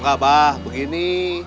mbah mbah begini